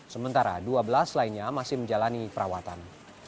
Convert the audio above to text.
sementara dua belas lainnya masih menjalani perawatan